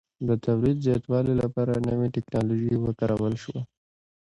د تولید زیاتوالي لپاره نوې ټکنالوژي وکارول شوه